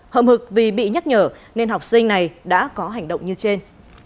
hậm hực vì bị nhắc nhở nên học sinh này đã có hành động như trên